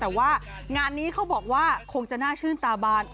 แต่ว่างานนี้เขาบอกว่าคงจะน่าชื่นตาบาน